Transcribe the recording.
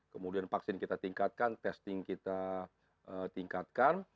kemudian vaksin kita tingkatkan testing kita tingkatkan